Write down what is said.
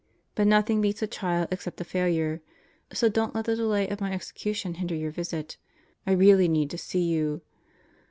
But nothing beats a trial except a failure. So don't let the delay of my execution hinder your visit. I really need to see you.